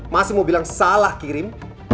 masih mau bilang salah kirim